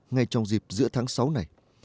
ngay trong dịp giữa tháng sáu này